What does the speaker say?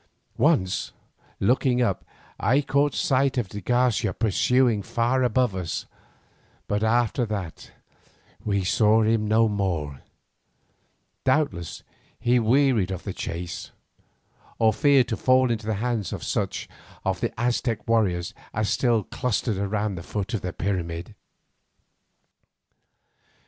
Once looking up, I caught sight of de Garcia pursuing far above us, but after that we saw him no more; doubtless he wearied of the chase, or feared to fall into the hands of such of the Aztec warriors as still clustered round the foot of the pyramid.